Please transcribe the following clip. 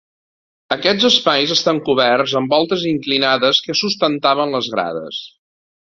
Aquests espais estan coberts amb voltes inclinades que sustentaven les grades.